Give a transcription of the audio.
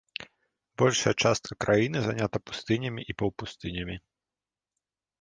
Большая частка краіны занята пустынямі і паўпустынямі.